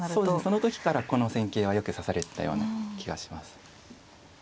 その時からこの戦型はよく指されてたような気はします。